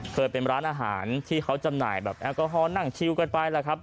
เคยเป็นร้านอาหารที่เขาจำหน่ายแบบแอลกอฮอลนั่งชิวกันไปแล้วครับ